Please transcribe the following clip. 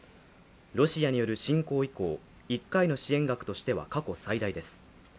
ロシアによる侵攻以降、１回の支援額としては過去最多です。